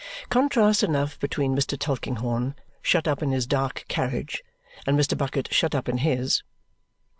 Contrast enough between Mr. Tulkinghorn shut up in his dark carriage and Mr. Bucket shut up in HIS.